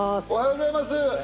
おはようございます。